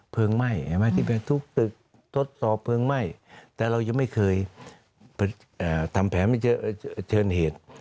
ไหม้เห็นไหมที่ไปทุกตึกทดสอบเพลิงไหม้แต่เรายังไม่เคยทำแผนเชิญเหตุ